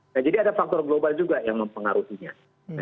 nah jadi ada faktor global juga yang mempengaruhinya